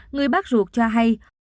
người bác ruột cho hay